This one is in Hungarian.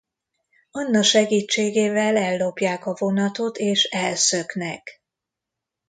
Anna segítségével ellopják a vonatot és elszöknek.